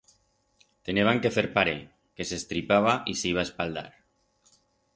Teneban que fer paret, que s'estripaba y s'iba a espaldar.